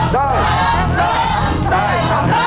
ได้